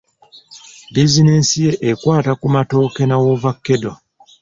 Bizinensi ye ekwata ku matooke na woovakkedo.